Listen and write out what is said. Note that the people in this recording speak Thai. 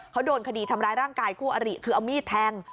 เขาโดนคดีทำร้ายร่างกายคู่อริคือเอามีดแทง